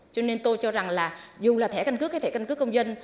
cho nên tôi cho rằng là dù là thẻ căn cước hay thẻ căn cước công dân